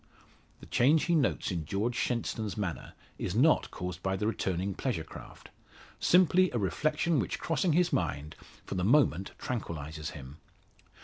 The change he notes in George Shenstone's manner is not caused by the returning pleasure craft. Simply a reflection which crossing his mind, for the moment tranquillises him.